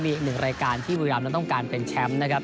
มีอีกหนึ่งรายการที่บุรีรำนั้นต้องการเป็นแชมป์นะครับ